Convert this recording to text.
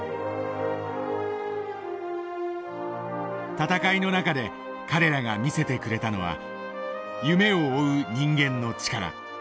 闘いの中で彼らが見せてくれたのは夢を追う人間の力。